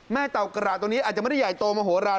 เต่ากระตัวนี้อาจจะไม่ได้ใหญ่โตมโหลาน